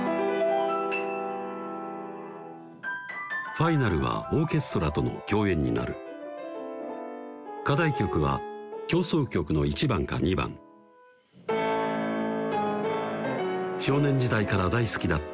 ファイナルはオーケストラとの共演になる課題曲は協奏曲の１番か２番少年時代から大好きだった